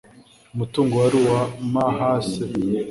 umutungo wari uwa mhc